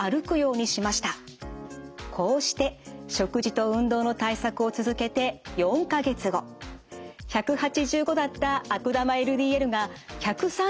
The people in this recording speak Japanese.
こうして食事と運動の対策を続けて４か月後１８５だった悪玉ＬＤＬが１３０にまで下がりました。